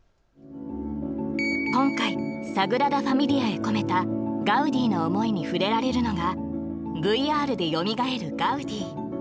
今回、サグラダ・ファミリアへ込めたガウディの思いに触れられるのがＶＲでよみがえるガウディ。